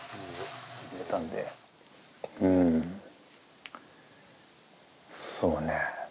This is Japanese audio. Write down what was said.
うんそうね。